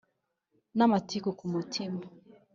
n' amatiku ku mutima,